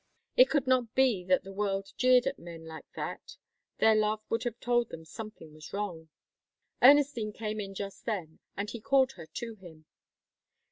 It could not be that the world jeered at men like that. Their love would have told them something was wrong. Ernestine came in just then and he called her to him.